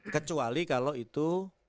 kecuali kalau itu